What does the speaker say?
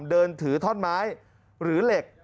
เดินถือท่อนไม้หรือเหล็ก